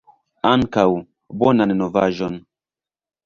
Ankaŭ! Bonan novaĵon!